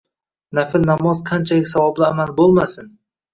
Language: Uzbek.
Nafl namoz qanchalik savobli amal bo‘lmasin